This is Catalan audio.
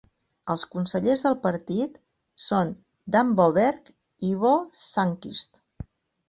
Els consellers del partit són Dan Boberg i Bo Sandquist.